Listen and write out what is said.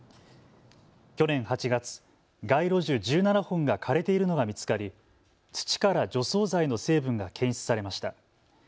去年８月街路樹１７本が枯れているのが見つかり土から除草剤の成分が検出されました。